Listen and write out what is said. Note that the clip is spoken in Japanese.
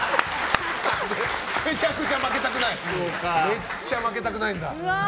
めちゃくちゃ負けたくないんだ。